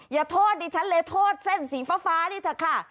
อย่าโทษดิฉันเลยโทษเส้นสีฟ้านี่เถอะค่ะ